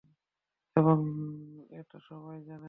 এবং এটা সবাই জানে।